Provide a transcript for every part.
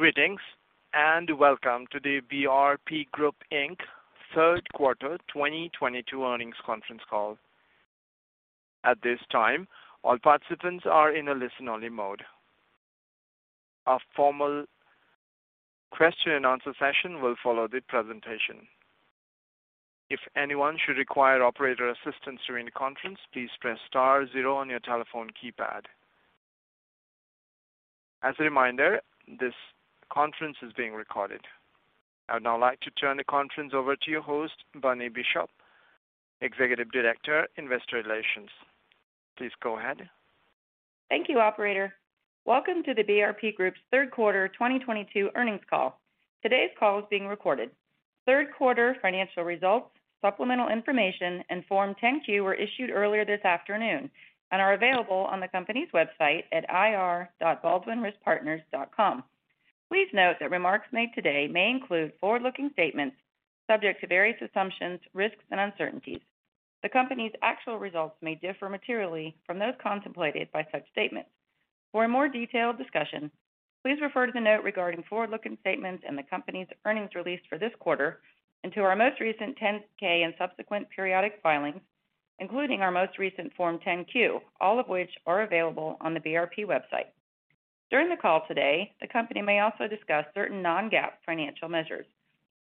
Greetings, and welcome to the BRP Group, Inc. Third Quarter 2022 Earnings Conference Call. At this time, all participants are in a listen-only mode. A formal question and answer session will follow the presentation. If anyone should require operator assistance during the conference, please press star zero on your telephone keypad. As a reminder, this conference is being recorded. I would now like to turn the conference over to your host, Bonnie Bishop, Executive Director, Investor Relations. Please go ahead. Thank you, operator. Welcome to the BRP Group's Third Quarter 2022 Earnings Call. Today's call is being recorded. Third quarter financial results, supplemental information and Form 10-Q were issued earlier this afternoon and are available on the company's website at ir.baldwinriskpartners.com. Please note that remarks made today may include forward-looking statements subject to various assumptions, risks and uncertainties. The company's actual results may differ materially from those contemplated by such statements. For a more detailed discussion, please refer to the note regarding forward-looking statements in the company's earnings release for this quarter and to our most recent 10-K and subsequent periodic filings, including our most recent Form 10-Q, all of which are available on the BRP website. During the call today, the company may also discuss certain non-GAAP financial measures.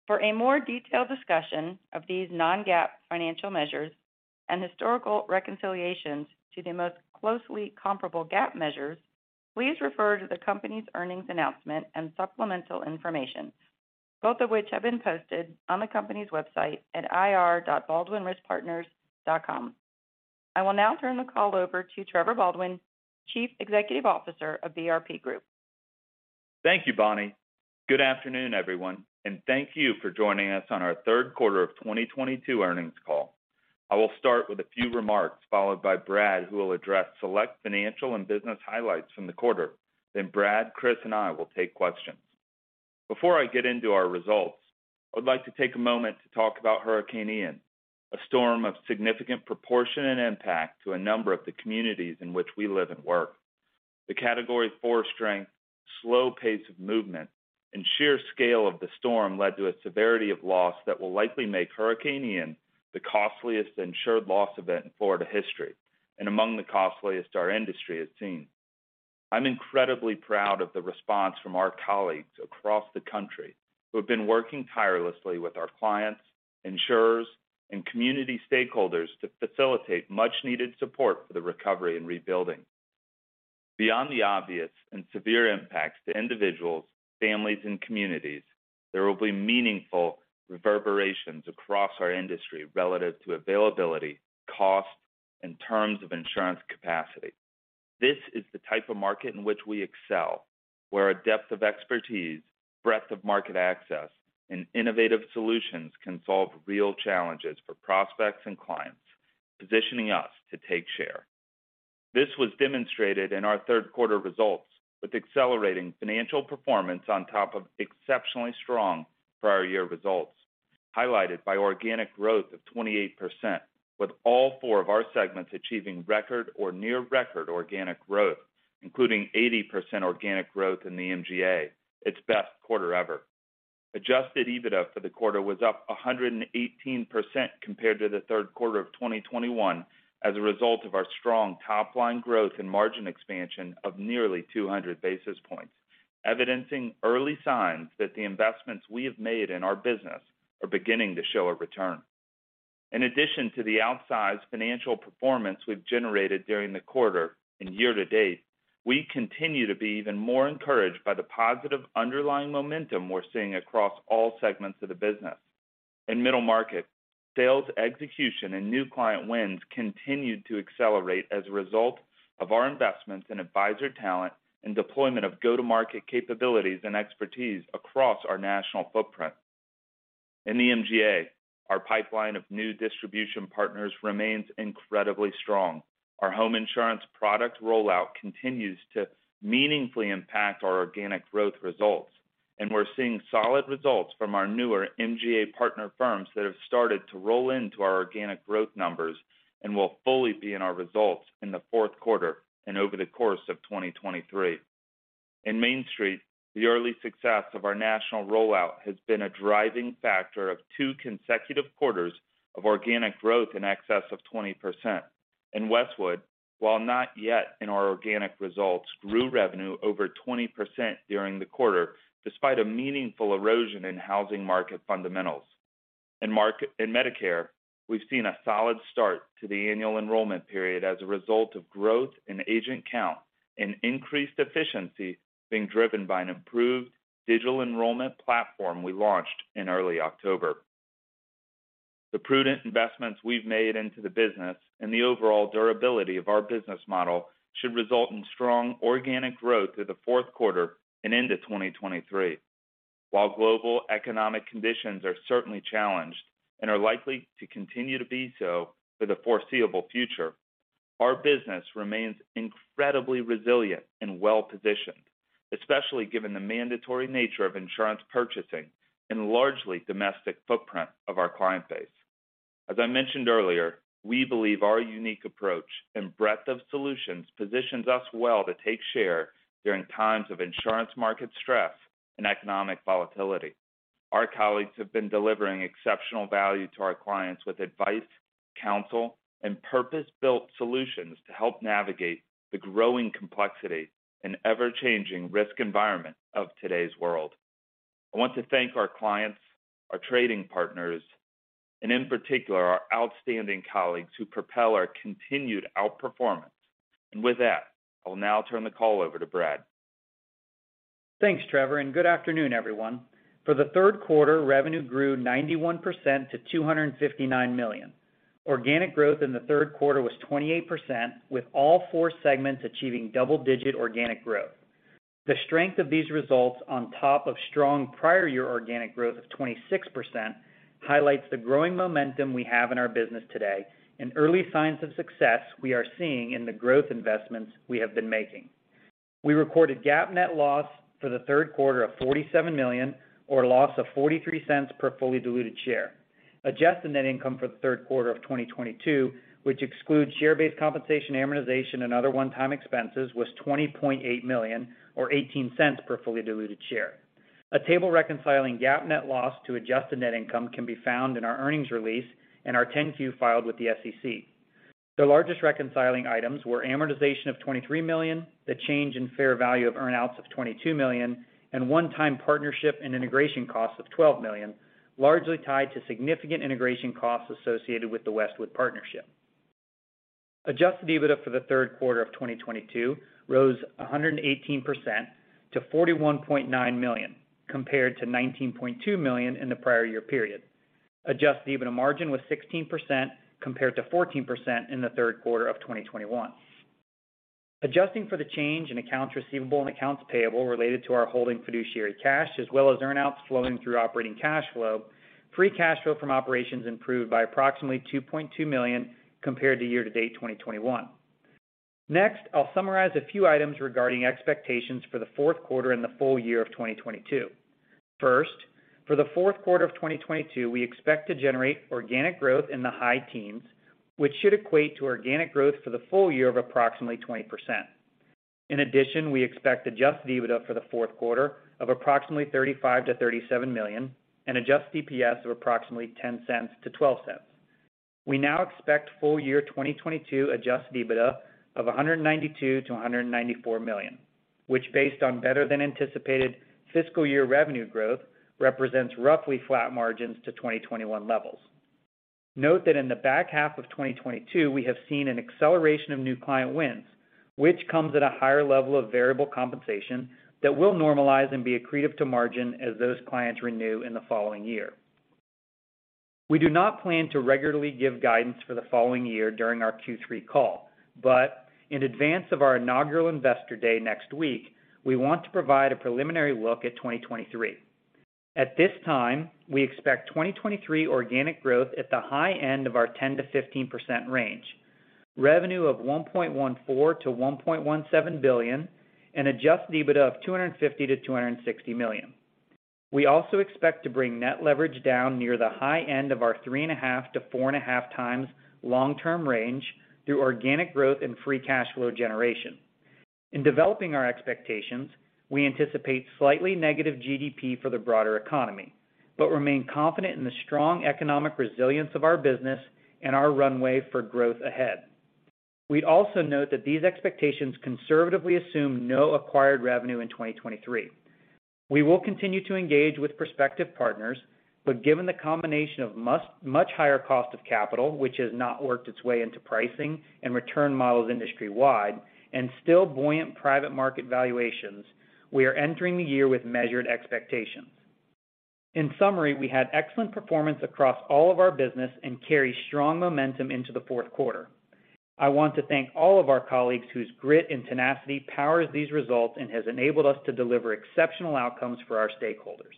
For a more detailed discussion of these non-GAAP financial measures and historical reconciliations to the most closely comparable GAAP measures, please refer to the company's earnings announcement and supplemental information, both of which have been posted on the company's website at ir.baldwinriskpartners.com. I will now turn the call over to Trevor Baldwin, Chief Executive Officer of The Baldwin Insurance Group. Thank you, Bonnie. Good afternoon, everyone, and thank you for joining us on our third quarter of 2022 earnings call. I will start with a few remarks, followed by Brad, who will address select financial and business highlights from the quarter. Then Brad, Chris and I will take questions. Before I get into our results, I would like to take a moment to talk about Hurricane Ian, a storm of significant proportion and impact to a number of the communities in which we live and work. The Category 4 strength, slow pace of movement, and sheer scale of the storm led to a severity of loss that will likely make Hurricane Ian the costliest insured loss event in Florida history and among the costliest our industry has seen. I'm incredibly proud of the response from our colleagues across the country who have been working tirelessly with our clients, insurers, and community stakeholders to facilitate much needed support for the recovery and rebuilding. Beyond the obvious and severe impacts to individuals, families, and communities, there will be meaningful reverberations across our industry relative to availability, cost, and terms of insurance capacity. This is the type of market in which we excel, where a depth of expertise, breadth of market access, and innovative solutions can solve real challenges for prospects and clients, positioning us to take share. This was demonstrated in our third quarter results with accelerating financial performance on top of exceptionally strong prior year results, highlighted by organic growth of 28%, with all 4 of our segments achieving record or near record organic growth, including 80% organic growth in the MGA, its best quarter ever. Adjusted EBITDA for the quarter was up 118% compared to the third quarter of 2021 as a result of our strong top line growth and margin expansion of nearly 200 basis points, evidencing early signs that the investments we have made in our business are beginning to show a return. In addition to the outsized financial performance we've generated during the quarter and year to date, we continue to be even more encouraged by the positive underlying momentum we're seeing across all segments of the business. In middle market, sales execution and new client wins continued to accelerate as a result of our investments in advisor talent and deployment of go-to-market capabilities and expertise across our national footprint. In the MGA, our pipeline of new distribution partners remains incredibly strong. Our home insurance product rollout continues to meaningfully impact our organic growth results, and we're seeing solid results from our newer MGA partner firms that have started to roll into our organic growth numbers and will fully be in our results in the fourth quarter and over the course of 2023. In Mainstreet, the early success of our national rollout has been a driving factor of 2 consecutive quarters of organic growth in excess of 20%. In Westwood, while not yet in our organic results, grew revenue over 20% during the quarter despite a meaningful erosion in housing market fundamentals. In Medicare, we've seen a solid start to the annual enrollment period as a result of growth in agent count and increased efficiency being driven by an improved digital enrollment platform we launched in early October. The prudent investments we've made into the business and the overall durability of our business model should result in strong organic growth through the fourth quarter and into 2023. While global economic conditions are certainly challenged and are likely to continue to be so for the foreseeable future, our business remains incredibly resilient and well-positioned, especially given the mandatory nature of insurance purchasing and largely domestic footprint of our client base. As I mentioned earlier, we believe our unique approach and breadth of solutions positions us well to take share during times of insurance market stress and economic volatility. Our colleagues have been delivering exceptional value to our clients with advice, counsel, and purpose-built solutions to help navigate the growing complexity and ever-changing risk environment of today's world. I want to thank our clients, our trading partners, and in particular, our outstanding colleagues who propel our continued outperformance. With that, I will now turn the call over to Brad. Thanks, Trevor, and good afternoon, everyone. For the third quarter, revenue grew 91% to $259 million. Organic growth in the third quarter was 28%, with all four segments achieving double-digit organic growth. The strength of these results on top of strong prior year organic growth of 26% highlights the growing momentum we have in our business today and early signs of success we are seeing in the growth investments we have been making. We recorded GAAP net loss for the third quarter of $47 million or a loss of $0.43 per fully diluted share. Adjusted net income for the third quarter of 2022, which excludes share-based compensation amortization and other one-time expenses, was $20.8 million or $0.18 per fully diluted share. A table reconciling GAAP net loss to adjusted net income can be found in our earnings release and our 10-Q filed with the SEC. The largest reconciling items were amortization of $23 million, the change in fair value of earn outs of $22 million, and one-time partnership and integration costs of $12 million, largely tied to significant integration costs associated with the Westwood partnership. Adjusted EBITDA for the third quarter of 2022 rose 118% to $41.9 million compared to $19.2 million in the prior year period. Adjusted EBITDA margin was 16% compared to 14% in the third quarter of 2021. Adjusting for the change in accounts receivable and accounts payable related to our holding fiduciary cash as well as earn outs flowing through operating cash flow, free cash flow from operations improved by approximately $2.2 million compared to year-to-date 2021. Next, I'll summarize a few items regarding expectations for the fourth quarter and the full year of 2022. First, for the fourth quarter of 2022, we expect to generate organic growth in the high teens, which should equate to organic growth for the full year of approximately 20%. In addition, we expect adjusted EBITDA for the fourth quarter of approximately $35 million-$37 million and adjusted EPS of approximately $0.10-$0.12. We now expect full year 2022 adjusted EBITDA of $192 million-$194 million, which based on better than anticipated fiscal year revenue growth represents roughly flat margins to 2021 levels. Note that in the back half of 2022, we have seen an acceleration of new client wins, which comes at a higher level of variable compensation that will normalize and be accretive to margin as those clients renew in the following year. We do not plan to regularly give guidance for the following year during our Q3 call, but in advance of our inaugural Investor Day next week, we want to provide a preliminary look at 2023. At this time, we expect 2023 organic growth at the high end of our 10%-15% range, revenue of $1.14 billion-$1.17 billion, and adjusted EBITDA of $250 million-$260 million. We also expect to bring net leverage down near the high end of our 3.5x-4.5x long-term range through organic growth and free cash flow generation. In developing our expectations, we anticipate slightly negative GDP for the broader economy, but remain confident in the strong economic resilience of our business and our runway for growth ahead. We'd also note that these expectations conservatively assume no acquired revenue in 2023. We will continue to engage with prospective partners, but given the combination of much higher cost of capital, which has not worked its way into pricing and return models industry-wide and still buoyant private market valuations, we are entering the year with measured expectations. In summary, we had excellent performance across all of our business and carry strong momentum into the fourth quarter. I want to thank all of our colleagues whose grit and tenacity powers these results and has enabled us to deliver exceptional outcomes for our stakeholders.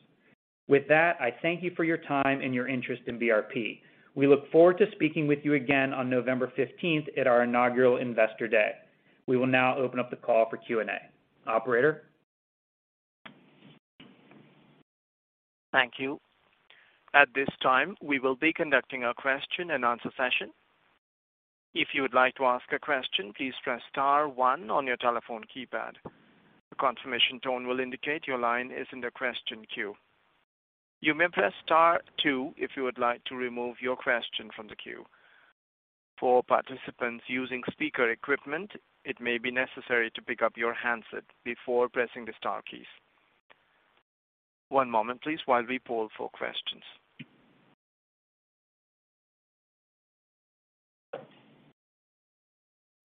With that, I thank you for your time and your interest in BRP. We look forward to speaking with you again on November 15th at our inaugural Investor Day. We will now open up the call for Q&A. Operator? Thank you. At this time, we will be conducting a question and answer session. If you would like to ask a question, please press star one on your telephone keypad. A confirmation tone will indicate your line is in the question queue. You may press star two if you would like to remove your question from the queue. For participants using speaker equipment, it may be necessary to pick up your handset before pressing the star keys. One moment please while we poll for questions.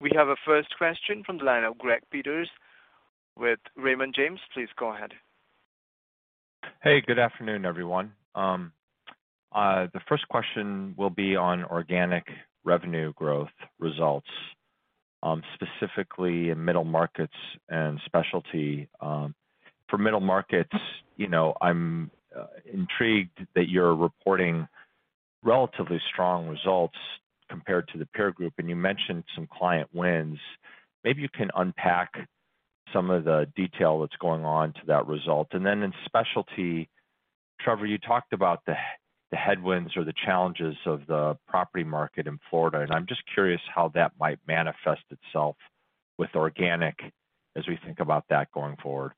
We have a first question from the line of Greg Peters with Raymond James. Please go ahead. Hey, good afternoon, everyone. The first question will be on organic revenue growth results, specifically in middle markets and specialty. For middle markets, you know, I'm intrigued that you're reporting relatively strong results. Compared to the peer group, and you mentioned some client wins. Maybe you can unpack some of the detail that's going on to that result. Then in specialty, Trevor, you talked about the headwinds or the challenges of the property market in Florida, and I'm just curious how that might manifest itself with organic as we think about that going forward.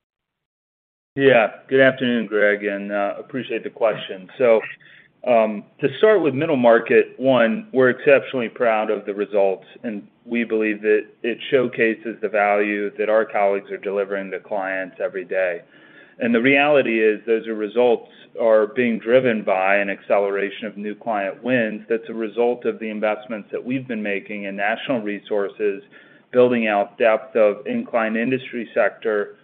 Yeah. Good afternoon, Greg, and appreciate the question. To start with middle market, one, we're exceptionally proud of the results, and we believe that it showcases the value that our colleagues are delivering to clients every day. The reality is, those results are being driven by an acceleration of new client wins that's a result of the investments that we've been making in national resources, building out depth in client industry sector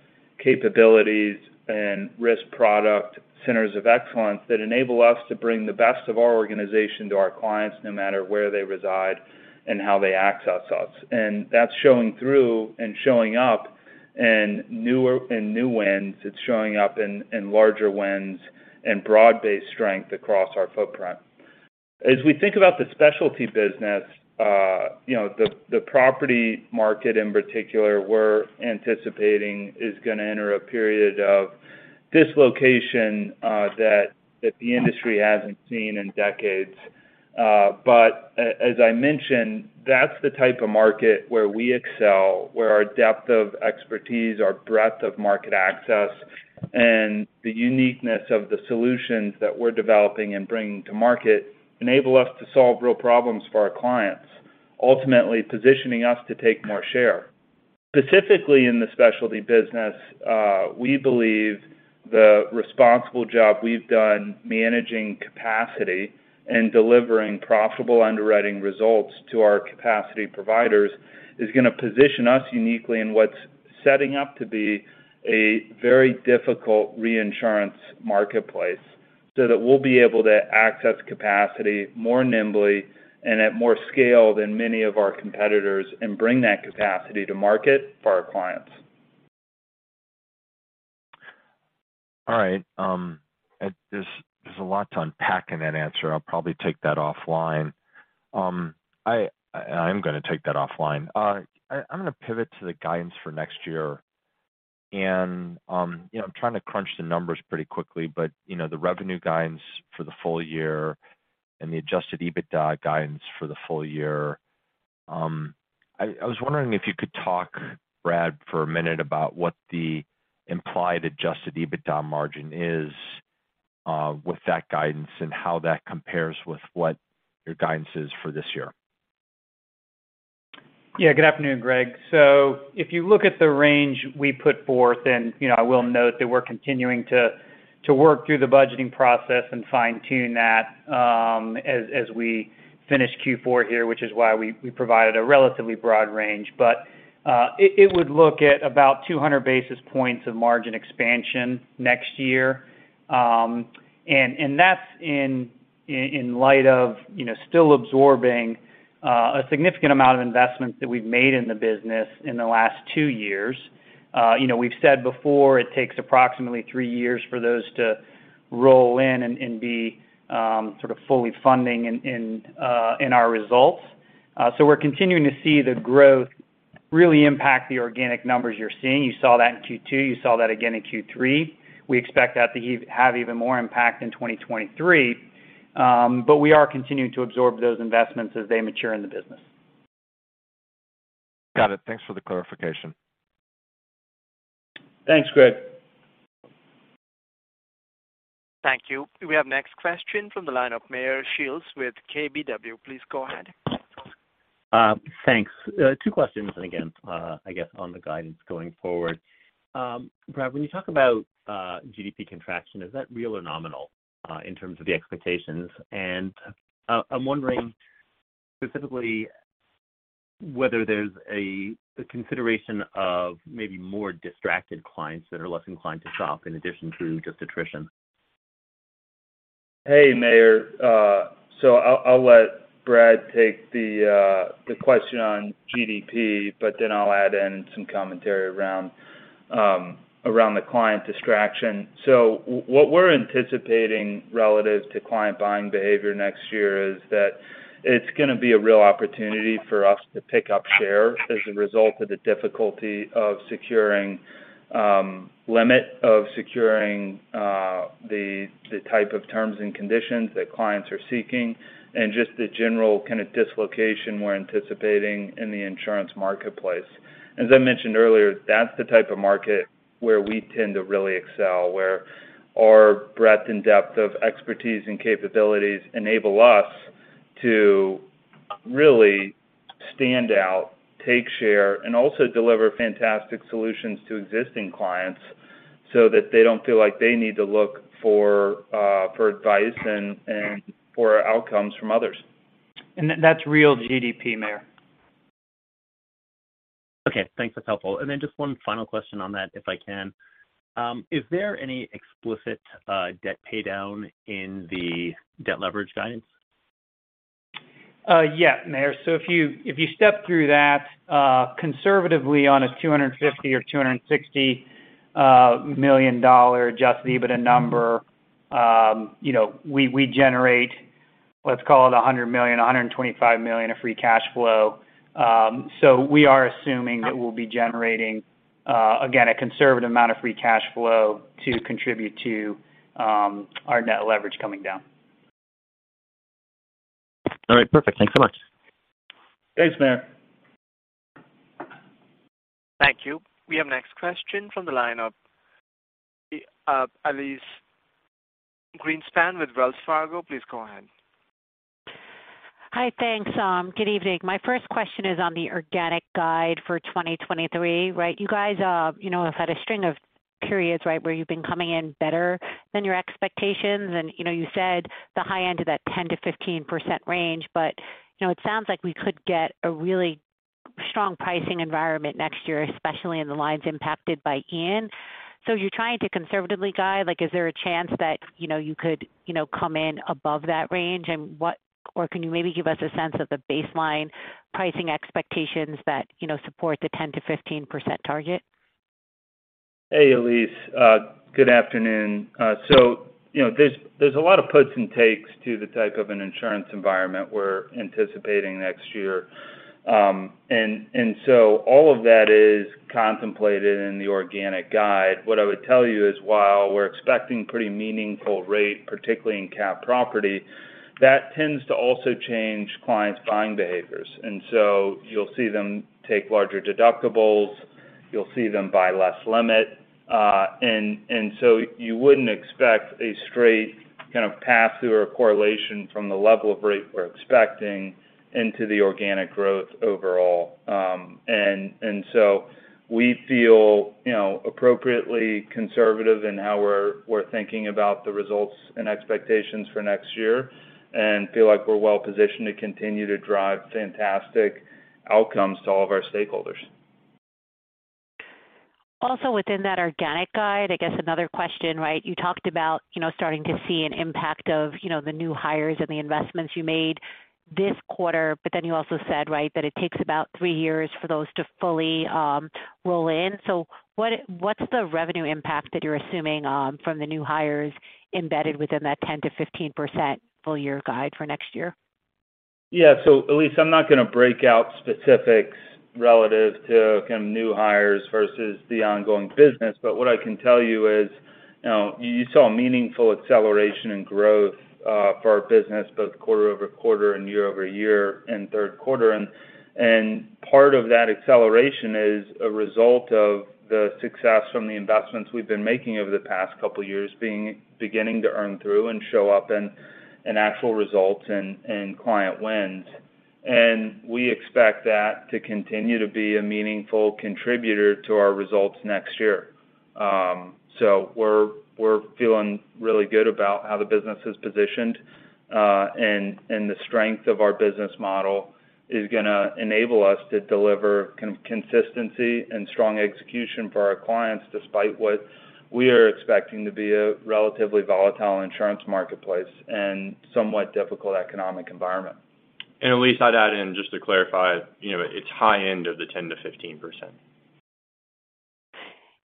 capabilities and risk product centers of excellence that enable us to bring the best of our organization to our clients no matter where they reside and how they access us. That's showing through and showing up in new wins. It's showing up in larger wins and broad-based strength across our footprint. As we think about the specialty business, you know, the property market in particular, we're anticipating is gonna enter a period of dislocation, that the industry hasn't seen in decades. As I mentioned, that's the type of market where we excel, where our depth of expertise, our breadth of market access, and the uniqueness of the solutions that we're developing and bringing to market enable us to solve real problems for our clients, ultimately positioning us to take more share. Specifically in the specialty business, we believe the responsible job we've done managing capacity and delivering profitable underwriting results to our capacity providers is gonna position us uniquely in what's setting up to be a very difficult reinsurance marketplace, so that we'll be able to access capacity more nimbly and at more scale than many of our competitors and bring that capacity to market for our clients. All right. There's a lot to unpack in that answer. I'll take that offline. I'm gonna pivot to the guidance for next year. You know, I'm trying to crunch the numbers pretty quickly. You know, the revenue guidance for the full year and the adjusted EBITDA guidance for the full year. I was wondering if you could talk, Brad, for a minute about what the implied adjusted EBITDA margin is, with that guidance and how that compares with what your guidance is for this year. Yeah, good afternoon, Greg. So if you look at the range we put forth, and you know, I will note that we're continuing to work through the budgeting process and fine-tune that, as we finish Q4 here, which is why we provided a relatively broad range. But it would look at about 200 basis points of margin expansion next year. And that's in light of you know, still absorbing a significant amount of investments that we've made in the business in the last two years. You know, we've said before it takes approximately three years for those to roll in and be sort of fully funding in our results. So we're continuing to see the growth really impact the organic numbers you're seeing. You saw that in Q2, you saw that again in Q3. We expect that to have even more impact in 2023. But we are continuing to absorb those investments as they mature in the business. Got it. Thanks for the clarification. Thanks, Greg. Thank you. We have next question from the line of Meyer Shields with KBW. Please go ahead. Thanks. Two questions, and again, I guess on the guidance going forward. Brad, when you talk about GDP contraction, is that real or nominal, in terms of the expectations? I'm wondering specifically whether there's a consideration of maybe more distracted clients that are less inclined to shop in addition to just attrition. Hey, Meyer. I'll let Brad take the question on GDP, but then I'll add in some commentary around the client distraction. What we're anticipating relative to client buying behavior next year is that it's gonna be a real opportunity for us to pick up share as a result of the difficulty of securing limits, the type of terms and conditions that clients are seeking and just the general kind of dislocation we're anticipating in the insurance marketplace. As I mentioned earlier, that's the type of market where we tend to really excel, where our breadth and depth of expertise and capabilities enable us to really stand out, take share, and also deliver fantastic solutions to existing clients so that they don't feel like they need to look for advice and for outcomes from others. That's real GDP, Meyer. Okay, thanks. That's helpful. Just one final question on that, if I can. Is there any explicit debt paydown in the debt leverage guidance? Yeah, Meyer. If you step through that, conservatively on a $250 million or $260 million adjusted EBITDA number, you know, we generate, let's call it $100 million, $125 million of free cash flow. We are assuming that we'll be generating, again, a conservative amount of free cash flow to contribute to our net leverage coming down. All right. Perfect. Thanks so much. Thanks, Meyer. Thank you. We have next question from the line of, Elyse Greenspan with Wells Fargo. Please go ahead. Hi. Thanks. Good evening. My first question is on the organic guide for 2023, right? You guys, you know, have had a string of periods, right, where you've been coming in better than your expectations. You know, you said the high end of that 10%-15% range, but, you know, it sounds like we could get a really strong pricing environment next year, especially in the lines impacted by Ian. As you're trying to conservatively guide, like, is there a chance that, you know, you could, you know, come in above that range? Or can you maybe give us a sense of the baseline pricing expectations that, you know, support the 10%-15% target? Hey, Elyse. Good afternoon. You know, there's a lot of puts and takes to the type of an insurance environment we're anticipating next year. All of that is contemplated in the organic guide. What I would tell you is, while we're expecting pretty meaningful rate, particularly in cat property, that tends to also change clients' buying behaviors. You'll see them take larger deductibles, you'll see them buy less limit. You wouldn't expect a straight kind of path through or correlation from the level of rate we're expecting into the organic growth overall. We feel, you know, appropriately conservative in how we're thinking about the results and expectations for next year, and feel like we're well positioned to continue to drive fantastic outcomes to all of our stakeholders. Also within that organic guide, I guess another question, right? You talked about, you know, starting to see an impact of, you know, the new hires and the investments you made this quarter, but then you also said, right, that it takes about three years for those to fully roll in. So what's the revenue impact that you're assuming from the new hires embedded within that 10%-15% full year guide for next year? Yeah. Elyse, I'm not gonna break out specifics relative to kind of new hires versus the ongoing business. What I can tell you is, you know, you saw a meaningful acceleration in growth for our business, both quarter over quarter and year-over-year in third quarter. Part of that acceleration is a result of the success from the investments we've been making over the past couple years beginning to earn through and show up in actual results and client wins. We expect that to continue to be a meaningful contributor to our results next year. We're feeling really good about how the business is positioned, and the strength of our business model is gonna enable us to deliver consistency and strong execution for our clients, despite what we are expecting to be a relatively volatile insurance marketplace and somewhat difficult economic environment. Elyse, I'd add in just to clarify, you know, it's high end of the 10%-15%.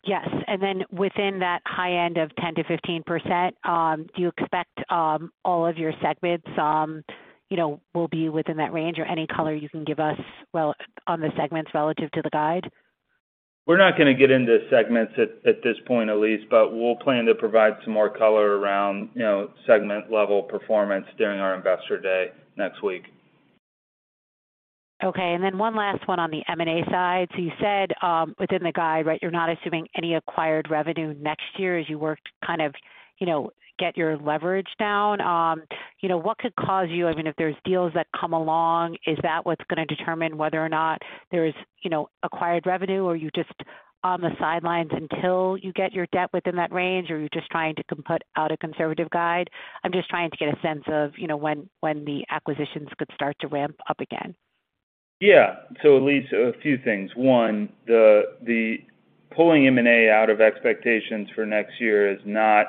Yes. Within that high end of 10%-15%, do you expect all of your segments, you know, will be within that range? Or any color you can give us, well, on the segments relative to the guide? We're not gonna get into segments at this point, Elyse, but we'll plan to provide some more color around, you know, segment-level performance during our Investor Day next week. Okay. One last one on the M&A side. You said, within the guide, right, you're not assuming any acquired revenue next year as you work to kind of, you know, get your leverage down. You know, what could cause you, I mean, if there's deals that come along, is that what's gonna determine whether or not there's, you know, acquired revenue? Or are you just on the sidelines until you get your debt within that range? Or are you just trying to put out a conservative guide? I'm just trying to get a sense of, you know, when the acquisitions could start to ramp up again. Yeah. Elyse, a few things. One, the pulling M&A out of expectations for next year is not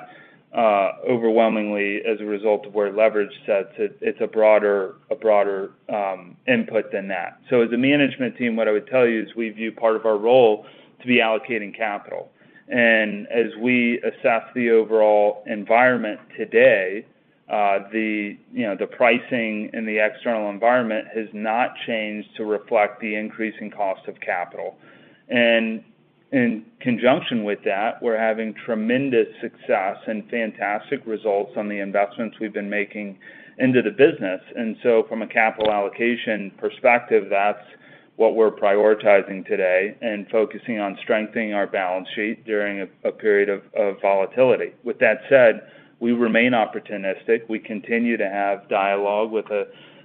overwhelmingly as a result of where leverage sits. It's a broader input than that. As a management team, what I would tell you is we view part of our role to be allocating capital. As we assess the overall environment today, you know, the pricing in the external environment has not changed to reflect the increasing cost of capital. In conjunction with that, we're having tremendous success and fantastic results on the investments we've been making into the business. From a capital allocation perspective, that's what we're prioritizing today and focusing on strengthening our balance sheet during a period of volatility. With that said, we remain opportunistic. We continue to have dialogue with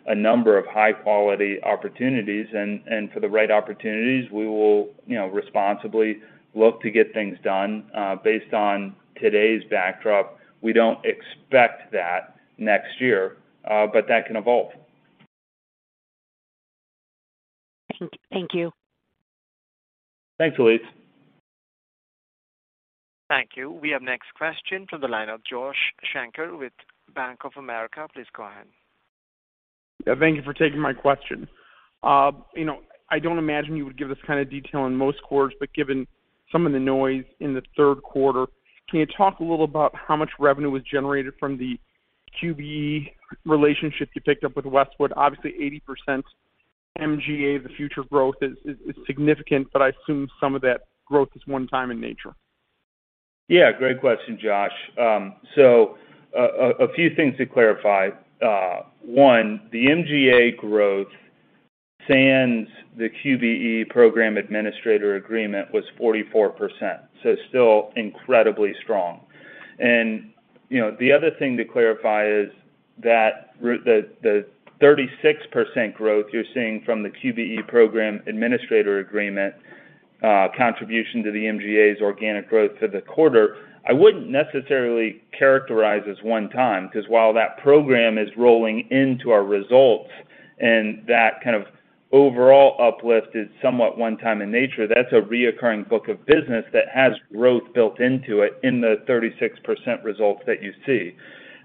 a number of high-quality opportunities. For the right opportunities, we will, you know, responsibly look to get things done. Based on today's backdrop, we don't expect that next year, but that can evolve. Thank you. Thanks, Elyse. Thank you. We have next question from the line of Joshua Shanker with Bank of America. Please go ahead. Yeah, thank you for taking my question. You know, I don't imagine you would give this kind of detail in most quarters, but given some of the noise in the third quarter, can you talk a little about how much revenue was generated from the QBE relationship you picked up with Westwood? Obviously, 80% MGA, the future growth is significant, but I assume some of that growth is one time in nature. Yeah, great question, Josh. So a few things to clarify. One, the MGA growth sans the QBE program administrator agreement was 44%, so still incredibly strong. You know, the other thing to clarify is that the 36% growth you're seeing from the QBE program administrator agreement contribution to the MGA's organic growth for the quarter, I wouldn't necessarily characterize as one time, 'cause while that program is rolling into our results and that kind of overall uplift is somewhat one time in nature, that's a reoccurring book of business that has growth built into it in the 36% results that you see.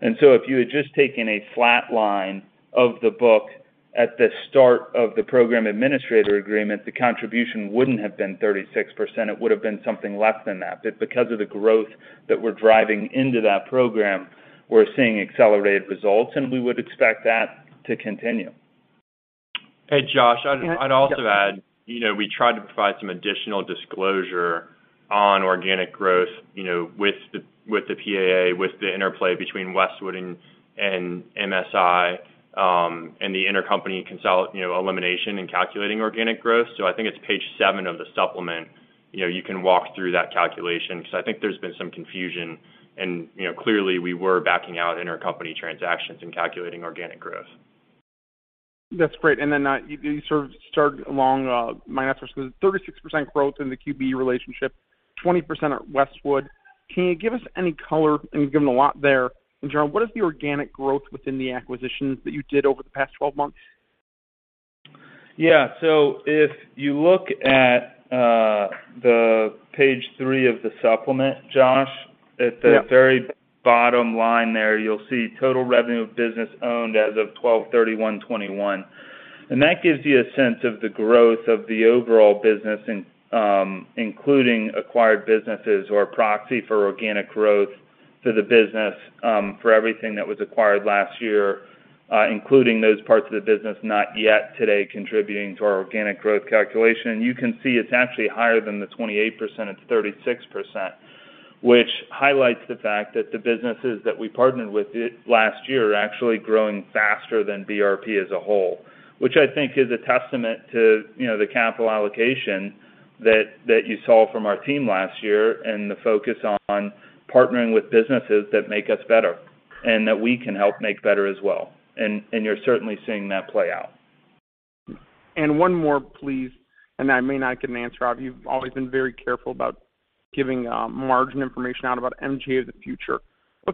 If you had just taken a flat line of the book at the start of the program administrator agreement, the contribution wouldn't have been 36%, it would have been something less than that. because of the growth that we're driving into that program, we're seeing accelerated results, and we would expect that to continue. Hey, Josh, I'd also add, you know, we tried to provide some additional disclosure on organic growth, you know, with the PAA, with the interplay between Westwood and MSI, and the intercompany elimination in calculating organic growth. I think it's page seven of the supplement. You know, you can walk through that calculation 'cause I think there's been some confusion and, you know, clearly we were backing out intercompany transactions in calculating organic growth. That's great. Then, you sort of started along my answer. The 36% growth in the QBE relationship, 20% at Westwood. Can you give us any color, and you've given a lot there, in general, what is the organic growth within the acquisitions that you did over the past 12 months? Yeah. If you look at page three of the supplement, Josh. Yeah At the very bottom line there, you'll see total revenue of business owned as of 12/31/2021. That gives you a sense of the growth of the overall business in, including acquired businesses or proxy for organic growth to the business, for everything that was acquired last year, including those parts of the business not yet today contributing to our organic growth calculation. You can see it's actually higher than the 28%, it's 36%, which highlights the fact that the businesses that we partnered with it last year are actually growing faster than BRP as a whole. Which I think is a testament to, you know, the capital allocation that you saw from our team last year and the focus on partnering with businesses that make us better and that we can help make better as well. You're certainly seeing that play out. One more, please, and I may not get an answer out of you. You've always been very careful about giving margin information out about MGA of the future.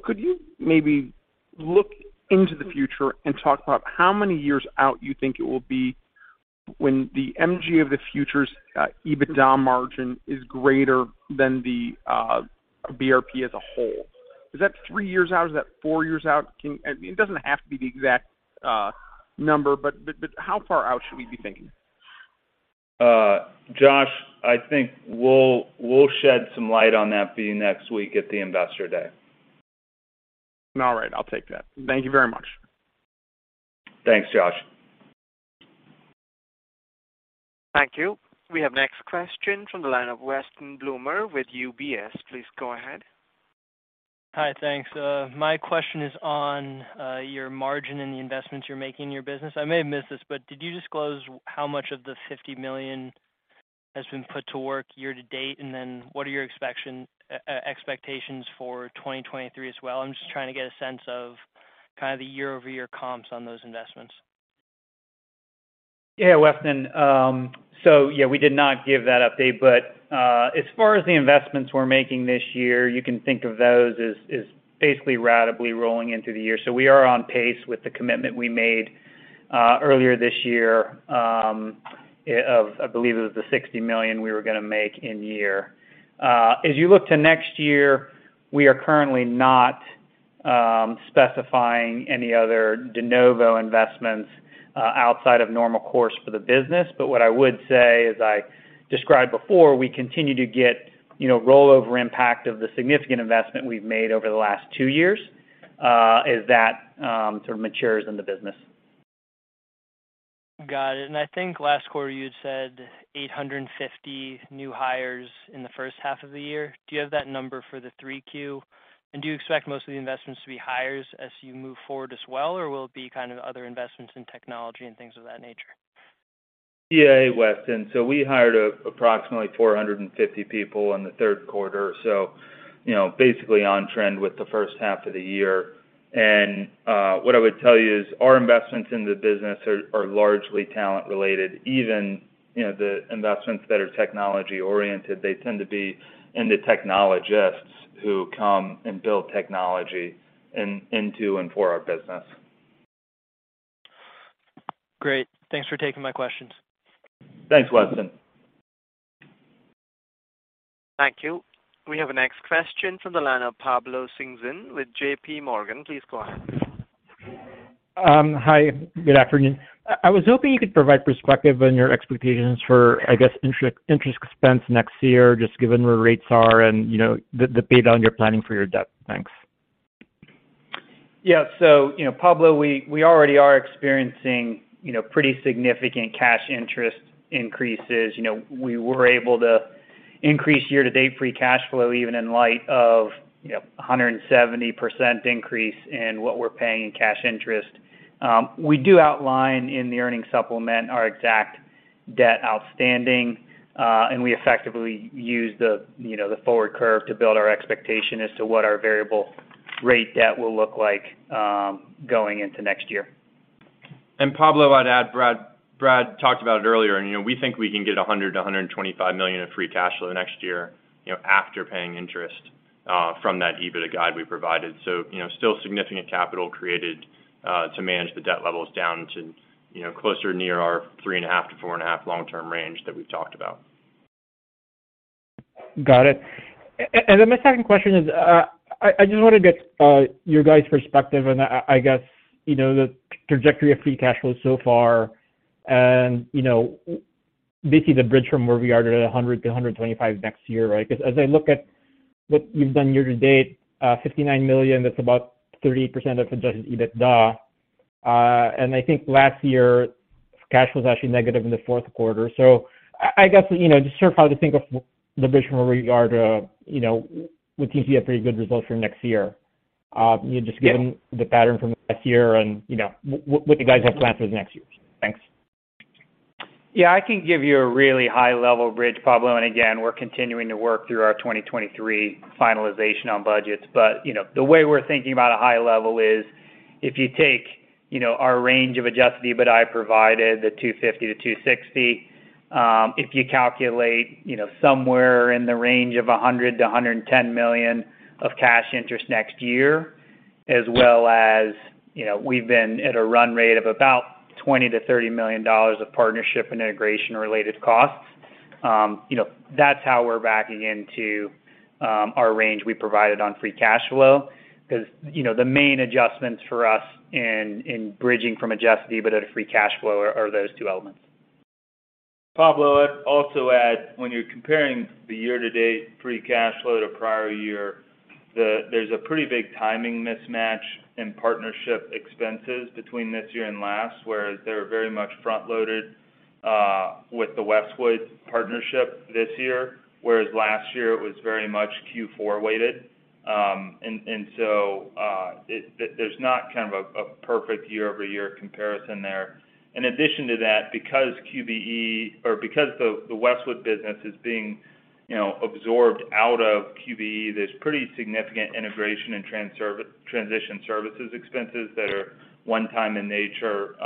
Could you maybe look into the future and talk about how many years out you think it will be when the MGA of the future's EBITDA margin is greater than the BRP as a whole? Is that three years out, is that four years out? It doesn't have to be the exact number, but how far out should we be thinking? Josh, I think we'll shed some light on that for you next week at the Investor Day. All right, I'll take that. Thank you very much. Thanks, Josh. Thank you. We have next question from the line of Weston Bloomer with UBS. Please go ahead. Hi, thanks. My question is on your margin and the investments you're making in your business. I may have missed this, but did you disclose how much of the $50 million has been put to work year-to-date? What are your expectations for 2023 as well? I'm just trying to get a sense of kind of the year-over-year comps on those investments. Yeah, Weston. We did not give that update. As far as the investments we're making this year, you can think of those as basically ratably rolling into the year. We are on pace with the commitment we made earlier this year of I believe it was the $60 million we were gonna make in year. As you look to next year, we are currently not specifying any other de novo investments outside of normal course for the business. What I would say, as I described before, we continue to get, you know, rollover impact of the significant investment we've made over the last two years as that sort of matures in the business. Got it. I think last quarter you had said 850 new hires in the first half of the year. Do you have that number for the 3Q? Do you expect most of the investments to be hires as you move forward as well, or will it be kind of other investments in technology and things of that nature? Yeah, Weston. We hired approximately 450 people in the third quarter, so, you know, basically on trend with the first half of the year. What I would tell you is our investments in the business are largely talent related. Even, you know, the investments that are technology oriented, they tend to be in the technologists who come and build technology in, into and for our business. Great. Thanks for taking my questions. Thanks, Weston. Thank you. We have our next question from the line of Pablo Singzon with JPMorgan. Please go ahead. Hi, good afternoon. I was hoping you could provide perspective on your expectations for, I guess, interest expense next year, just given where rates are and, you know, the pay down you're planning for your debt. Thanks. Yeah. You know, Pablo, we already are experiencing, you know, pretty significant cash interest increases. You know, we were able to increase year-to-date free cash flow even in light of, you know, a 170% increase in what we're paying in cash interest. We do outline in the earnings supplement our exact debt outstanding, and we effectively use the, you know, the forward curve to build our expectation as to what our variable rate debt will look like, going into next year. Pablo, I'd add, Brad talked about it earlier, you know, we think we can get $100 million-$125 million of free cash flow next year, you know, after paying interest from that EBITDA guide we provided. You know, still significant capital created to manage the debt levels down to, you know, closer to near our 3.5x-4.5x long-term range that we've talked about. Got it. My second question is, I just wanna get your guys' perspective on, I guess, you know, the trajectory of free cash flow so far and, you know, basically the bridge from where we are to $100 million-$125 million next year, right? 'Cause as I look at what you've done year to date, $59 million, that's about 30% of adjusted EBITDA. I think last year, cash was actually negative in the fourth quarter. I guess, you know, just sort of how to think of the bridge from where we are to, you know, what gives you a pretty good result for next year. You know, just given the pattern from last year and, you know, what do you guys have planned for the next years? Thanks. Yeah, I can give you a really high level bridge, Pablo, and again, we're continuing to work through our 2023 finalization on budgets. You know, the way we're thinking about a high level is if you take, you know, our range of adjusted EBITDA provided, the $250 million-$260 million, if you calculate, you know, somewhere in the range of $100 million-$110 million of cash interest next year, as well as, you know, we've been at a run rate of about $20 million-$30 million of partnership and integration-related costs. You know, that's how we're backing into our range we provided on free cash flow. You know, the main adjustments for us in bridging from adjusted EBITDA to free cash flow are those two elements. Pablo, I'd also add when you're comparing the year-to-date free cash flow to prior year, there's a pretty big timing mismatch in partnership expenses between this year and last, where they're very much front-loaded with the Westwood partnership this year. Whereas last year it was very much Q4 weighted. There's not kind of a perfect year-over-year comparison there. In addition to that, because the Westwood business is being, you know, absorbed out of QBE, there's pretty significant integration and transition services expenses that are one time in nature,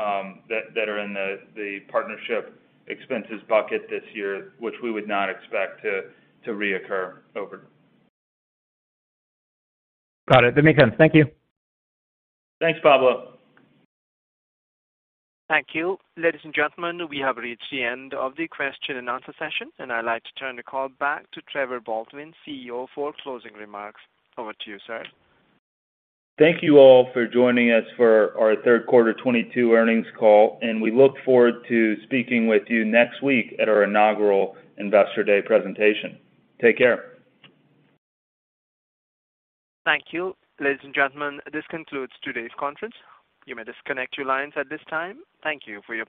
that are in the partnership expenses bucket this year, which we would not expect to reoccur over. Got it. That makes sense. Thank you. Thanks, Pablo. Thank you. Ladies and gentlemen, we have reached the end of the question and answer session, and I'd like to turn the call back to Trevor Baldwin, CEO, for closing remarks. Over to you, sir. Thank you all for joining us for our third quarter 2022 earnings call, and we look forward to speaking with you next week at our inaugural Investor Day presentation. Take care. Thank you. Ladies and gentlemen, this concludes today's conference. You may disconnect your lines at this time. Thank you for your participation.